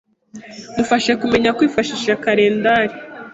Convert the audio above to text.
mufashe kumenya kwifashisha karendari,